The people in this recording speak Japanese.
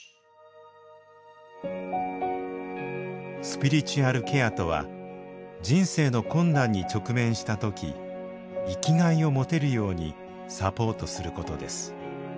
スピリチュアルケアとは人生の困難に直面した時生きがいを持てるようにサポートすることです。